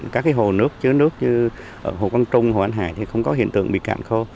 các hồ nước chứa nước như hồ văn trung hồ anh hải thì không có hiện tượng bị cạn khô